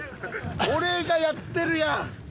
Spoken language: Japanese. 俺がやってるやん！